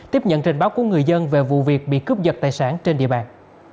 tiếp nhận trình báo của người dân về vụ việc bị cướp dật tài sản trên địa bàn